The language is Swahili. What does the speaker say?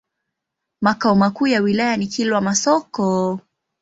Makao makuu ya wilaya ni Kilwa Masoko.